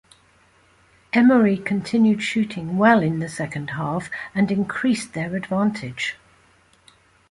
Emory continued shooting well in the second half and increased their advantage.